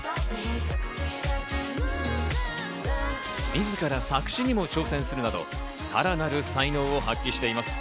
自ら作詞にも挑戦するなどさらなる才能を発揮しています。